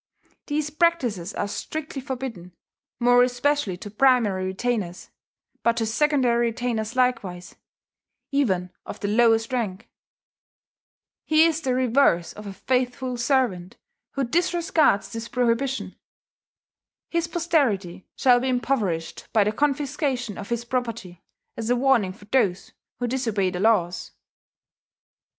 These practices are strictly forbidden, more especially to primary retainers, but to secondary retainers likewise, even of the lowest rank. He is the reverse of a faithful servant who disregards this prohibition. His posterity shall be impoverished by the confiscation of his property, as a warning for those who disobey the laws."